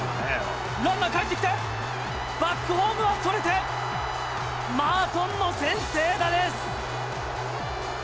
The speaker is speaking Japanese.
ランナーかえってきて、バックホームはそれて、マートンの先制打です。